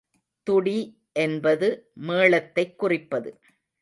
துடி என்பது மேளத்தைக் குறிப்பது.